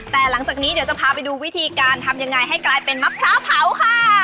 แต่หลังจากนี้เดี๋ยวจะพาไปดูวิธีการทำยังไงให้กลายเป็นมะพร้าวเผาค่ะ